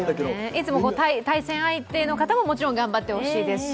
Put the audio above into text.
いつも対戦相手の方ももちろん頑張ってほしいですし